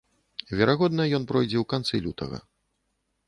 Верагодна, ён пройдзе ў канцы лютага.